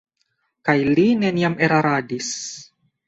Kaj li neniam eraradis.